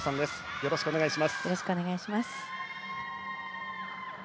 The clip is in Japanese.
よろしくお願いします。